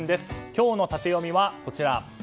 今日のタテヨミはこちら。